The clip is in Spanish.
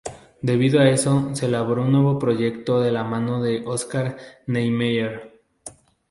Debido a eso, se elaboró un nuevo proyecto de la mano de Oscar Niemeyer.